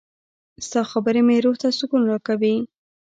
• ستا خبرې مې روح ته سکون راکوي.